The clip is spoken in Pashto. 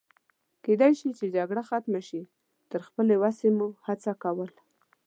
کېدای شي چې جګړه ختمه شي، تر خپلې وسې مو هڅه کول.